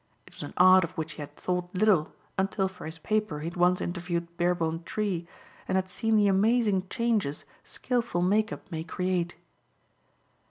It was an art of which he had thought little until for his paper he had once interviewed Beerbohm Tree and had seen the amazing changes skilful make up may create.